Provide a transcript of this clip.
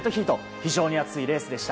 非常に熱いレースでした。